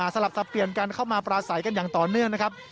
สลับสับเปลี่ยนกันเข้ามาปราศัยกันอย่างต่อเนื่องนะครับ